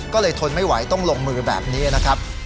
ก็เลยทนไม่ไหวต้องลงมือแบบนี้นะครับ